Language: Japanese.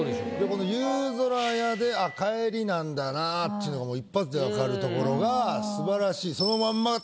この「夕空や」であっ帰りなんだなっていうのが一発で分かるところがすばらしい。